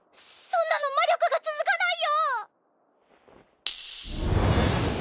そんなの魔力が続かないよ！